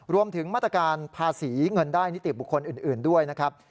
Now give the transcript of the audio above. รวมถึงมาตรการภาษีเงินได้นิติบุคคลอื่นด้วยนะครับ